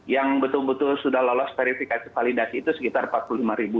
yang betul betul sudah lolos verifikasi validasi itu sekitar empat puluh lima ribu